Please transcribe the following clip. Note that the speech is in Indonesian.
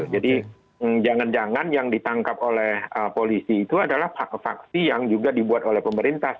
jadi jangan jangan yang ditangkap oleh polisi itu adalah faksi yang juga dibuat oleh pemerintah